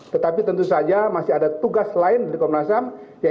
tetapi tentu saja masih ada tugas lain dari komnas ham